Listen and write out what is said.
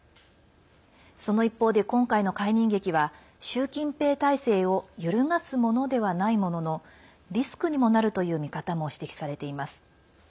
その一方で、今回の解任劇は習近平体制を揺るがすものではないもののリスクにもなるという見方も指摘されています。